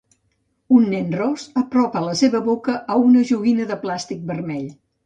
Un nen ros apropa la seva boca a una joguina de plàstic vermell.